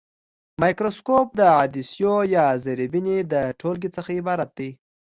مایکروسکوپ د عدسیو یا زرې بیني د ټولګې څخه عبارت دی.